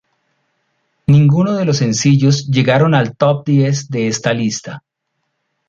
Ninguno de los sencillos llegaron al Top Diez de esta lista.